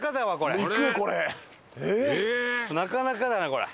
なかなかだなこれ。